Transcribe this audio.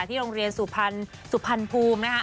ที่โรงเรียนสุพรรณภูมินะค่ะ